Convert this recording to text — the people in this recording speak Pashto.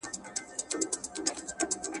زما د آشنا غرونو کيسې کولې.